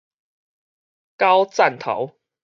校欑頭